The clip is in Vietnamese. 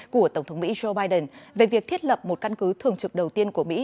của tổng thống mỹ joe biden về việc thiết lập một căn cứ thường trực đầu tiên của mỹ